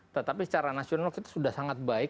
tetapi secara nasional kita sudah sangat baik